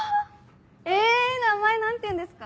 え名前何ていうんですか？